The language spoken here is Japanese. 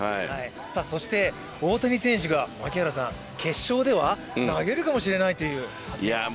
そして大谷選手が決勝では投げるかもしれないという発言がありましたね。